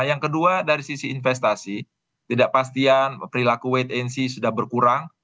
yang kedua dari sisi investasi tidak pastian perilaku wait and see sudah berkurang